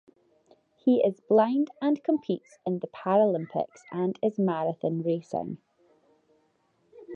He is blind and competes in the Paralympics and in marathon racing.